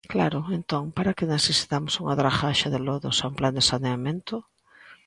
Claro, entón ¿para que necesitamos unha dragaxe de lodos e un plan de saneamento?